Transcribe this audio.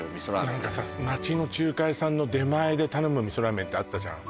何かさ町の中華屋さんの出前で頼む味噌ラーメンってあったじゃん